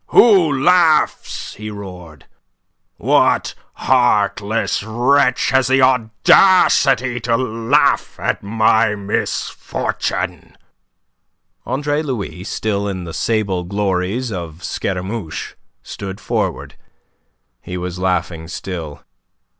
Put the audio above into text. "Who laughs?" he roared. "What heartless wretch has the audacity to laugh at my misfortune?" Andre Louis, still in the sable glories of Scaramouche, stood forward. He was laughing still.